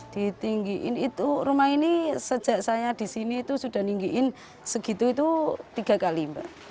ditinggiin itu rumah ini sejak saya disini itu sudah tinggiin segitu itu tiga kali